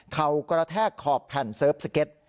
เขากระแทกขอบแผ่นเซิร์ฟสเก็ต